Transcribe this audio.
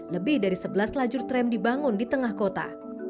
lebih dari sebelas lajur tram dibangun di tengah kota